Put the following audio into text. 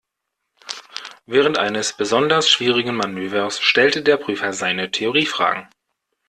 Während eines besonders schwierigen Manövers stellte der Prüfer seine Theorie-Fragen.